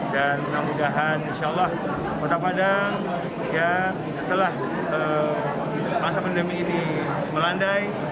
dan semoga insya allah kota padang setelah masa pandemi ini melandai